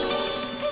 えっ？